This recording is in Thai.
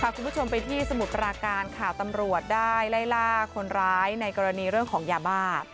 คุณผู้ชมไปที่สมุทรปราการค่ะตำรวจได้ไล่ล่าคนร้ายในกรณีเรื่องของยาบ้า